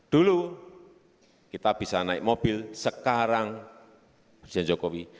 dulu kita bisa naik mobil sekarang presiden jokowi